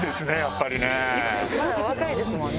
まだお若いですもんね？